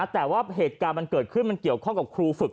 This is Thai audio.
แต่ว่าเหตุการณ์มันเกิดขึ้นมันเกี่ยวข้องกับครูฝึก